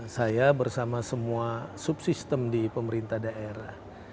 saya bersama semua subsistem di pemerintah daerah